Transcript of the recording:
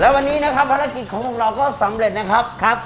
วันนี้นะครับภารกิจของเราก็สำเร็จนะครับ